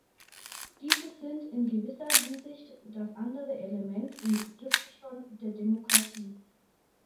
Diese sind in gewisser Hinsicht das andere Element im Triptychon der Demokratie.